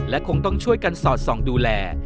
และคงต้องช่วยกันสอดส่องดูแล